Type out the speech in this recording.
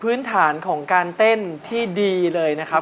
พื้นฐานของการเต้นที่ดีเลยนะครับ